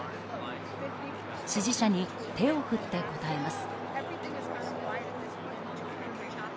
支持者に手を振って応えます。